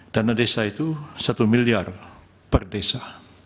dana desa itu satu miliar per desa